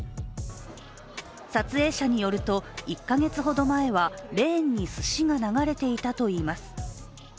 撮影者によると１か月ほど前はレーンにすしが流れていたといいます。